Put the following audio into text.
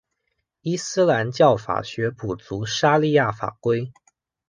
伊斯兰教法学补足沙里亚法规。